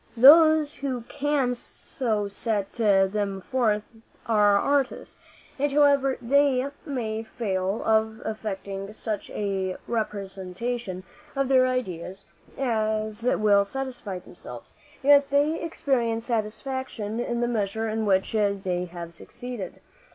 Those who can so set them forth are artists; and however they may fail of effecting such a representation of their ideas as will satisfy themselves, they yet experience satisfaction in the measure in which they have succeeded.